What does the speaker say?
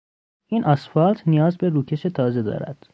این اسفالت نیاز به روکش تازه دارد.